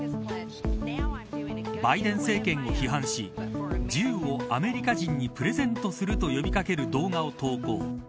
バイデン政権を批判し銃をアメリカ人にプレゼントすると呼びかける動画を投稿。